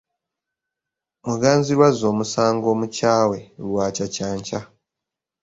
Muganzirwazza omusango omukyawe lwakyakyankya.